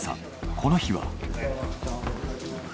この日は。